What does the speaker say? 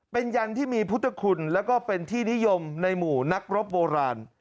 เป็นยันที่มีพุทธคุณแล้วก็เป็นที่นิยมในหมู่นักรบโบราณ